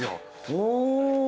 お。